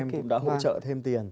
gia đình em cũng đã hỗ trợ thêm tiền